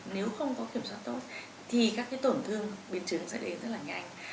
nếu không có kiểm soát tốt thì các tổn thương biến chứng sẽ đến rất là nhanh